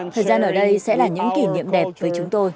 thời gian ở đây sẽ là những kỷ niệm đẹp với chúng tôi